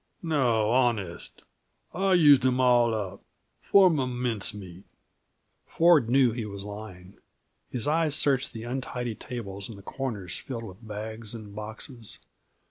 "No honest. Used 'em all up for m' mince meat!" Ford knew he was lying. His eyes searched the untidy tables and the corners filled with bags and boxes.